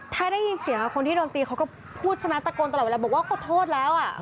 ถ้าได้ยินเสียงของคนที่โดนตีเขาก็พูดชนะตะโกนตลอดบอกว่าขอโทษแล้วอะ